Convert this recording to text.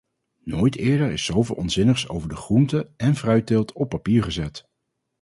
Nooit eerder is zoveel onzinnigs over de groente- en fruitteelt op papier gezet.